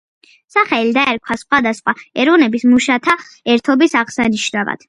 სახელი დაერქვა სხვადასხვა ეროვნების მუშათა ერთობის აღსანიშნავად.